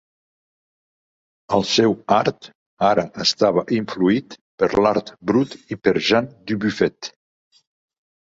El seu art ara estava influït per l'art brut i per Jean Dubuffet.